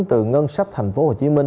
từ ngân sách tp hcm